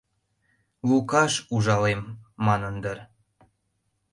Лукаш «ужалем» манын дыр.